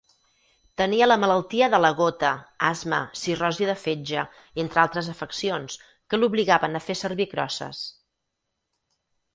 Tenia la malaltia de la gota, asma, cirrosi de fetge, entre altres afeccions, que l'obligaven a fer servir crosses.